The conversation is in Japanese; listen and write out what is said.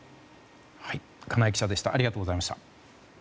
金井記者でしたありがとうございました。